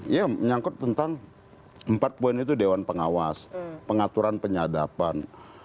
ya menyangkut tentang empat poin itu dewan pengawas pengaturan penyadapan